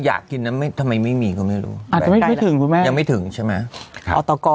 อยากกินน่ะไม่ทำไมไม่มีคนไม่รู้อาจจะไม่ถึงหรือแม่ยังไม่ถึงใช่ไหมอ้าวต่อก็